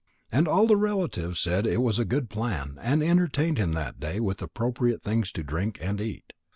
And all the relatives said it was a good plan and entertained him that day with appropriate things to drink and eat.